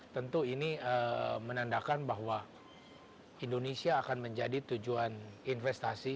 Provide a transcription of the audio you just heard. tentu ini menandakan bahwa indonesia akan menjadi tujuan investasi